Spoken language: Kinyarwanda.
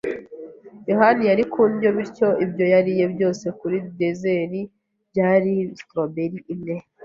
yohani yari ku ndyo, bityo ibyo yariye byose kuri dessert byari strawberry imwe.